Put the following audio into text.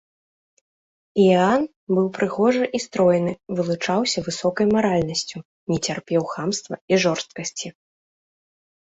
Іаан быў прыгожы і стройны, вылучаўся высокай маральнасцю, не цярпеў хамства і жорсткасці.